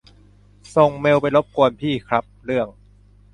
ส่งเมลไปรบกวนพี่ครับ เรื่อง